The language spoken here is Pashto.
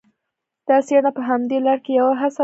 دا څېړنه په همدې لړ کې یوه هڅه ده